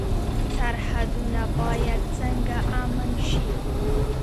سرحدونه باید څنګه امن شي؟